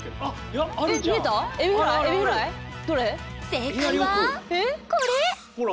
正解はこれほら。